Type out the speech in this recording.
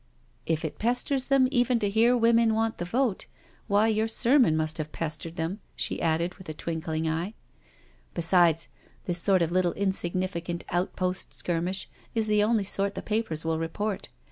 If it pesters them even to hear women want the vote, why your sermon must have pestered them," she added, with a twinkling eye. " Besides, this sort of little insignificant outpost skir mish is the only sort the papers will report.